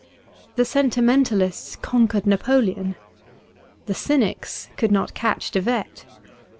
The senti mentalists conquered Napoleon. The cynics could not catch De Wet.